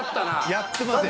やってません。